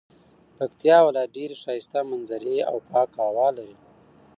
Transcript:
پکتيا ولايت ډيري ښايسته منظري او پاکه هوا لري